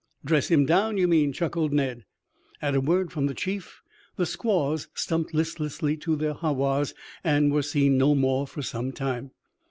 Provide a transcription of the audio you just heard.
"Dress him down, you mean," chuckled Ned. At a word from the chief the squaws stumped listlessly to their ha was and were seen no more for some time.